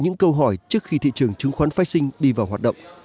những câu hỏi trước khi thị trường chứng khoán phái sinh đi vào hoạt động